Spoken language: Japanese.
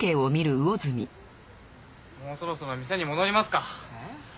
もうそろそろ店に戻りますか。